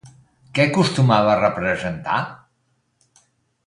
Què acostumava a representar?